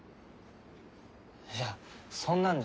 いやそんなんじゃ。